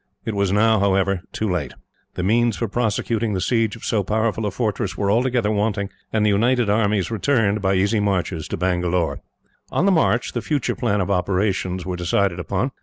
It was now, however, too late. The means for prosecuting the siege of so powerful a fortress were altogether wanting, and the united armies returned, by easy marches, to Bangalore. On the march, the future plan of operations was decided upon.